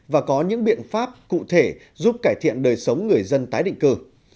và có những biện pháp cụ thể giúp cải thiện đời sống người dân tái định cư